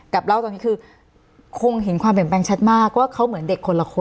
เล่าตอนนี้คือคงเห็นความเปลี่ยนแปลงชัดมากว่าเขาเหมือนเด็กคนละคน